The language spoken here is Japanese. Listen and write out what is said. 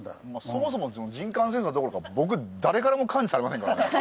そもそも人感センサーどころか僕誰からも感知されませんからね。